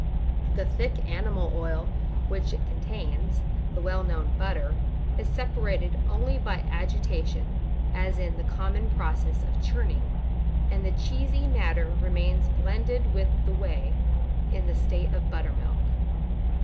The thick animal oil which it contains, the well known butter, is separated only by agitation, as in the common process of churning, and the cheesy matter remains blended with the whey in the state of buttermilk.